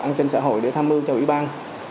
an sinh xã hội để tham mưu cho ủy ban